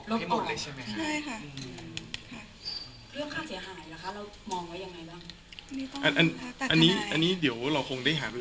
เรามองว่ายังไงบ้างอันอันอันนี้อันนี้เดียวว่าเราคงได้หาร่า